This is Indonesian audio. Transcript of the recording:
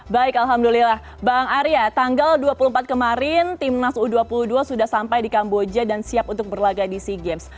baik alhamdulillah bang arya tanggal dua puluh empat kemarin timnas u dua puluh dua sudah sampai di kamboja dan siap untuk berlagak di sea games